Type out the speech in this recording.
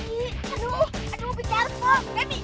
aduh lebih hati hati